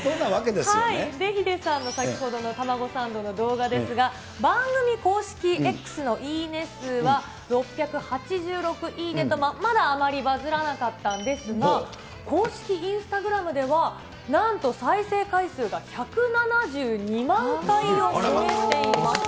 で、ヒデさんの先ほどのたまごサンドの動画ですが、番組公式Ｘのいいね数は、６８６いいねと、まだあまりバズらなかったんですが、公式インスタグラムでは、なんと再生回数が１７２万回を超えています。